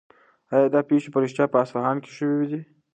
آیا دا پېښې په رښتیا په اصفهان کې شوې دي؟